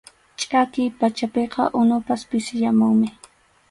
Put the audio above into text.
Chʼakiy pachapiqa unupas pisiyamunmi.